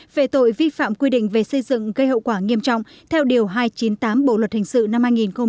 về tội vi phạm quy định về xây dựng gây hậu quả nghiêm trọng theo điều hai trăm chín mươi tám bộ luật hình sự năm hai nghìn một mươi năm